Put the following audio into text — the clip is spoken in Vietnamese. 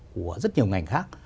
của rất nhiều ngành khác